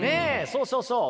そうそうそう。